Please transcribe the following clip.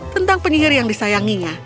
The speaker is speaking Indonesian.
tentang penyihir yang disayanginya